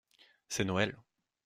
c’est Noël.